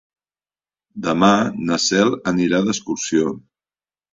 Demà na Cel anirà d'excursió.